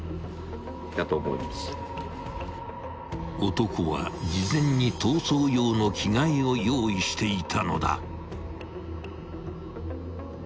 ［男は事前に逃走用の着替えを用意していたのだ］